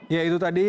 ya itu tadi